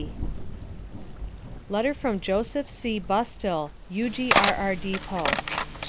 F.P. LETTER FROM JOS. C. BUSTILL (U.G.R.R. DEPOT).